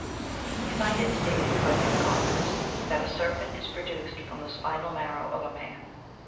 We find it stated by many authors,^® that a serpent is pro duced from the spinal marrow of a man.